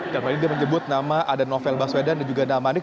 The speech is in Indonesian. kemarin dia menyebut nama ada novel baswedan dan juga nama anik